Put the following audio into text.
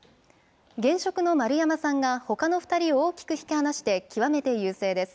現職の丸山さんがほかの２人を大きく引き離して、極めて優勢です。